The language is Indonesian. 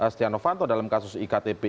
stiano fanto dalam kasus iktp